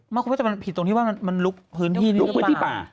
มันแต่ผิดตรงที่ว่ามันลุกพื้นที่นี่หรือเปล่า